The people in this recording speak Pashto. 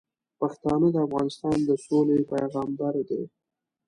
پښتانه د افغانستان د سولې پیغامبر دي.